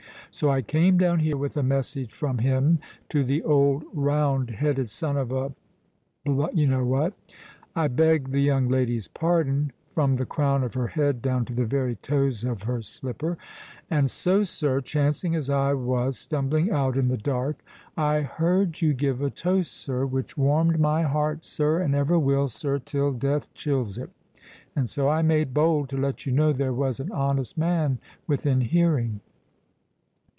So I came down here with a message from him to the old roundheaded son of a —— (I beg the young lady's pardon, from the crown of her head down to the very toes of her slipper)—And so, sir, chancing as I was stumbling out in the dark, I heard you give a toast, sir, which warmed my heart, sir, and ever will, sir, till death chills it;—and so I made bold to let you know there was an honest man within hearing."